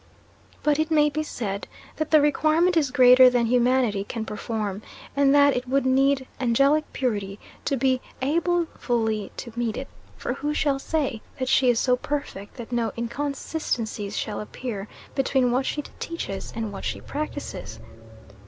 But it may be said, that the requirement is greater than humanity can perform, and that it would need angelic purity to be able fully to meet it; for who shall say that she is so perfect that no inconsistencies shall appear between what she teaches and what she practises?